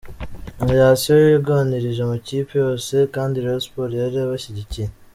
Federasiyo yaganirije amakipe yose kandi Rayon Sports yari ibishyigikiye.